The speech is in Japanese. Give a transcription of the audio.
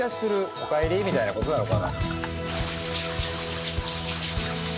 おかえりみたいな事なのかな。